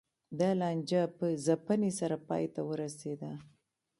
دا لانجه په ځپنې سره پای ته ورسېده